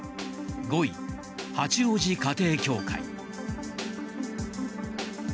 ５位、八王子家庭教会。